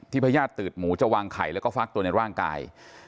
พญาติตืดหมูจะวางไข่แล้วก็ฟักตัวในร่างกาย